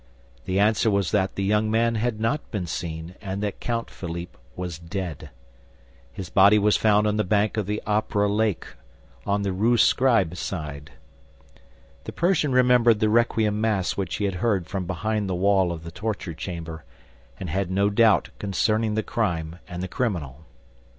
The answer was that the young man had not been seen and that Count Philippe was dead. His body was found on the bank of the Opera lake, on the Rue Scribe side. The Persian remembered the requiem mass which he had heard from behind the wall of the torture chamber, and had no doubt concerning the crime and the criminal.